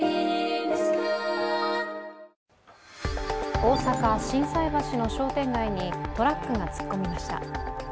大阪・心斎橋の商店街にトラックが突っ込みました。